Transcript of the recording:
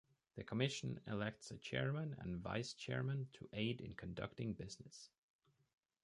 The commission elects a chairman and vice-chairman to aid in conducting business.